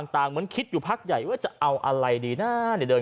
เหมือนคิดอยู่พักใหญ่ว่าจะเอาอะไรดีนะเดิน